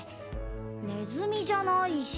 ネズミじゃないし。